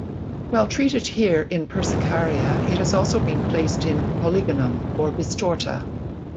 While treated here in "Persicaria", it has also been placed in "Polygonum" or "Bistorta".